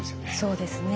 そうですね。